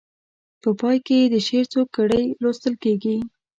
په پای کې یې د شعر څو کړۍ لوستل کیږي.